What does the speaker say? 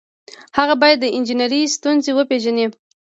هغه باید د انجنیری ستونزې وپيژني.